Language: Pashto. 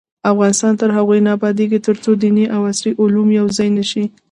افغانستان تر هغو نه ابادیږي، ترڅو دیني او عصري علوم یو ځای نشي.